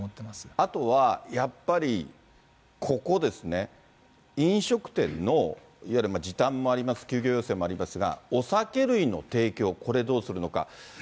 あとは、やっぱり、ここですね、飲食店のいわゆる時短もあります、休業要請もありますが、お酒類の提供、これどうするのか。